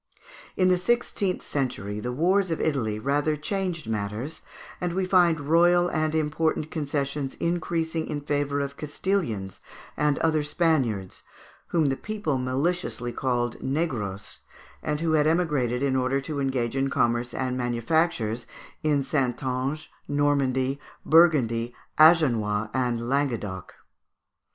In the sixteenth century the wars of Italy rather changed matters, and we find royal and important concessions increasing in favour of Castilians and other Spaniards, whom the people maliciously called negroes, and who had emigrated in order to engage in commerce and manufactures in Saintonge, Normandy, Burgundy, Agenois, and Languedoc.